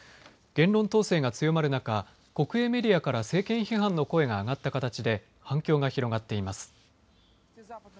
言論統制が強まる中、国営メディアから政権批判の声が上がった形で反響が広がっています。